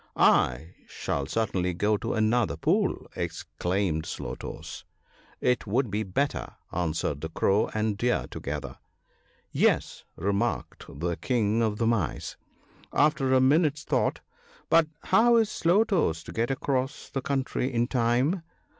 ""/ shall certainly go to another pool," exclaimed Slow toes. " It would be better," answered the Crow and Deer together. " Yes !" remarked the King of the Mice, after a minute's thought; "but how is Slow toes to get across the country in time